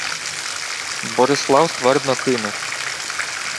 Борислав ствердно кинув: